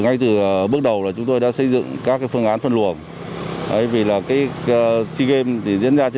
ngay từ bước đầu là chúng tôi đã xây dựng các phương án phân luồng vì là cái sea games thì diễn ra trên